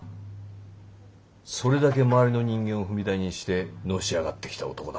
それだけ周りの人間を踏み台にしてのし上がってきた男だ